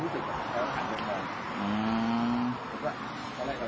อืม